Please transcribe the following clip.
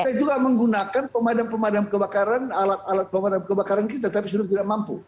kita juga menggunakan pemadam pemadam kebakaran alat alat pemadam kebakaran kita tapi sudah tidak mampu